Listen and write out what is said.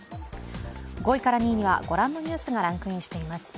５位から２位にはご覧のニュースがランクインしています。